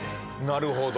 なるほど。